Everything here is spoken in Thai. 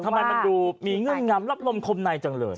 ทำไมมันดูมีเงื่อนงำรับลมคมในจังเลย